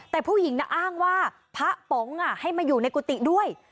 แต่ผู้หญิงน่ะอ้างว่าพระป๋องให้มาอยู่ในกุฏิด้วย